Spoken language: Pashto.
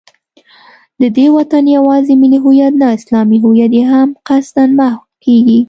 د دې وطن یوازې ملي هویت نه، اسلامي هویت یې هم قصدا محوه کېږي